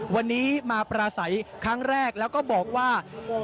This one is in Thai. วันนี้มาปราศัยครั้งแรกแล้วก็บอกว่า